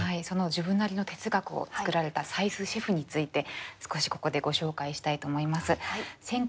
その自分なりの哲学を作られた斉須シェフについて少しここでご紹介したいと思います。